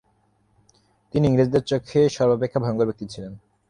তিনি ইংরেজদের চোখে সর্বাপেক্ষা ভয়ঙ্কর ব্যক্তি ছিলেন।